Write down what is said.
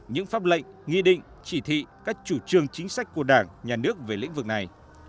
những pháp lệnh nghị định chỉ thị các chủ trương chính sách của đảng nhà nước về lĩnh vực này